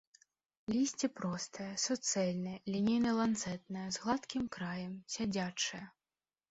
Лісце простае, суцэльнае, лінейна-ланцэтнае, з гладкім краем, сядзячае.